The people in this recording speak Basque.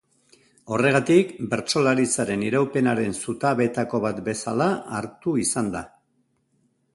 Horregatik, bertsolaritzaren iraupenaren zutabeetako bat bezala hartu izan da.